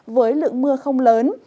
với lượng mưa không lớn